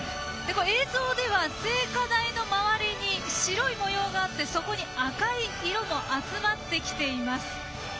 でも映像では、聖火台の周りに白い模様があってそこに赤い色も集まってきています。